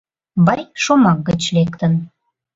«Бай» шомак гыч лектын...